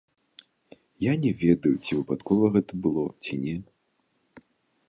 Я не ведаю, ці выпадкова гэта было, ці не.